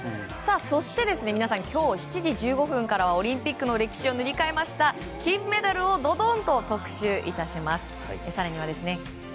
そして、皆さん今日７時１５分からはオリンピックの歴史を塗り替えました金メダルをどどんと特集致します。